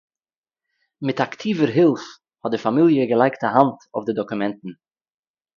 מיט אַקטיווער הילף, האָט די פאַמיליע געלייגט אַ האַנט אויף די דאָקומענטן